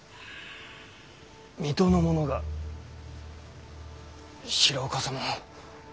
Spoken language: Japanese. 水戸の者が平岡様を？